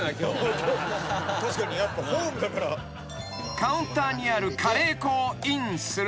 ［カウンターにあるカレー粉をインすると］